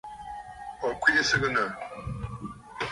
Ò kwìʼi sɨgɨ̀nə̀.